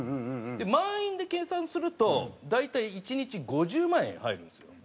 で満員で計算すると大体１日５０万円入るんですよ。